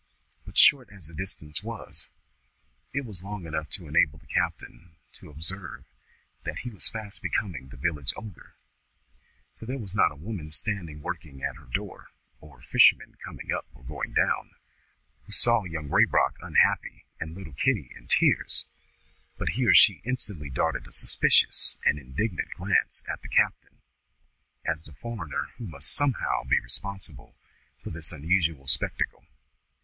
But short as the distance was, it was long enough to enable the captain to observe that he was fast becoming the village Ogre; for there was not a woman standing working at her door, or a fisherman coming up or going down, who saw Young Raybrock unhappy and little Kitty in tears, but he or she instantly darted a suspicious and indignant glance at the captain, as the foreigner who must somehow be responsible for this unusual spectacle.